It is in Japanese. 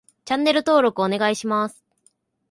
チャンネル登録お願いします